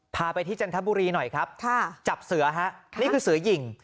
พาไปที่จันทบุรีหน่อยครับจับเสือฮะนี่คือเสือหญิง